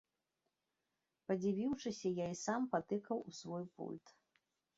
Падзівіўшыся, я і сам патыкаў у свой пульт.